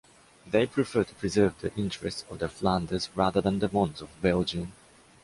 They prefer to preserve the interests of the Flanders rather than the ones of Belgium.